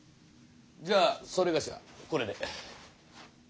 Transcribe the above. じゃあそれがしはこれで。